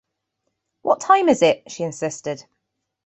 “What time is it?” she insisted.